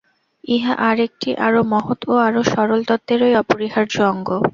ইহা আর একটি আরও মহৎ ও আরও সরল তত্ত্বেরই অপরিহার্য অঙ্গ।